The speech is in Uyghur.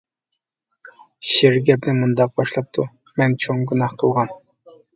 شىر گەپنى مۇنداق باشلاپتۇ:-مەن چوڭ گۇناھ قىلغان.